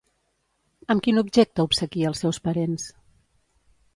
Amb quin objecte obsequia els seus parents?